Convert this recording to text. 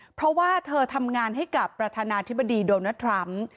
เพราะว่าเธอทำงานให้กับประธานาธิบดีโดนัลดทรัมป์